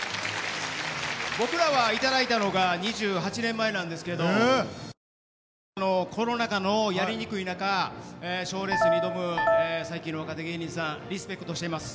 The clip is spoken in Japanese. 僕らは頂いたのが２８年前なんですけどでもあのコロナ禍のやりにくい中賞レースに挑む最近の若手芸人さんリスペクトしています。